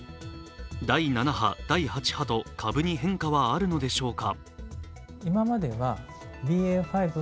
第７波、第８波と株に変化はあるのでしょうか。